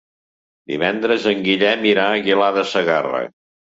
Divendres en Guillem irà a Aguilar de Segarra.